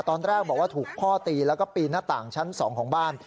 ตอนแรกบอกว่าถูกพ่อตีแล้วก็ปีนหน้าต่างชั้น๒ของบ้าน